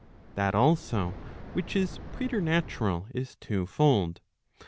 That also which is preternatural is twofold.